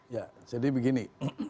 ya jadi begini